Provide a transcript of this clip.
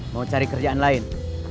mau cari kerjaan lain